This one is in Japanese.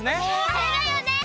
あれだよねほら。